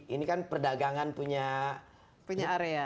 ini kan perdagangan punya area